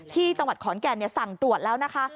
ที่จังหวัดขอนแก่นสั่งตรวจแล้วนะคะ